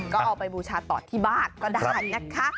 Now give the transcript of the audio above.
ก็เอาไปบูชาต่อที่บ้านก็ได้นะคะ